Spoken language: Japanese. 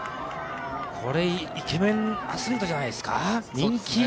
これ、イケメンアスリートじゃないですか？